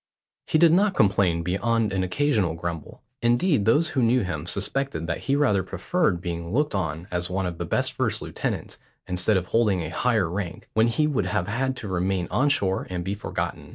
He did not complain beyond an occasional grumble; indeed those who knew him suspected that he rather preferred being looked on as one of the best first lieutenants instead of holding a higher rank, when he would have had to remain on shore and be forgotten.